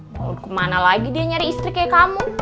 mau kemana lagi dia nyari istri kayak kamu